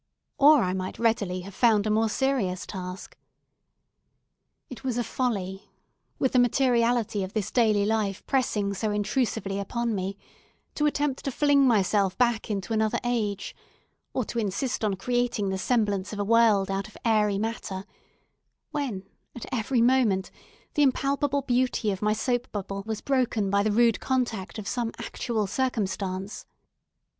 Or I might readily have found a more serious task. It was a folly, with the materiality of this daily life pressing so intrusively upon me, to attempt to fling myself back into another age, or to insist on creating the semblance of a world out of airy matter, when, at every moment, the impalpable beauty of my soap bubble was broken by the rude contact of some actual circumstance.